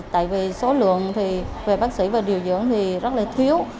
tại vì số lượng thì về bác sĩ và điều dưỡng thì rất là thiếu